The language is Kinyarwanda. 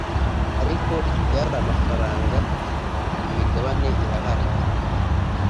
ariko ibyara amafaranga…Imigabane irahari